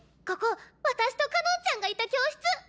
ここ私とかのんちゃんがいた教室。